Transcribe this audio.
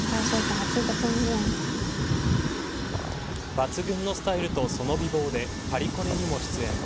抜群のスタイルとその美貌でパリコレにも出演。